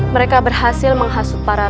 mereka berhasil menghasut parasit